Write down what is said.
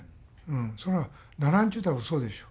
それはならんちゅうたらうそでしょう。